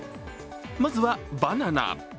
まずはバナナ。